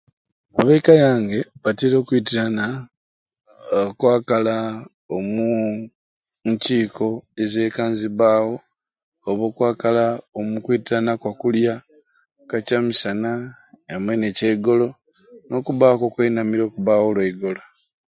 Abeka yange batera okwitirana okwakala omu nkiiko ezekka nizibaawo oba okwakala omukwitirana kwakula kwa kyamisana amwei n'ekyegolo nokubuku okwenamira okubawo olwegolo.